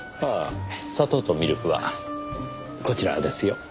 ああ砂糖とミルクはこちらですよ。